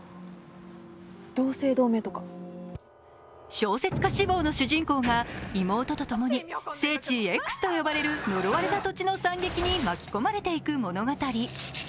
小説家志望の主人公が妹と共に聖地Ｘと呼ばれるのろわれた土地の惨劇に巻き込まれていく物語。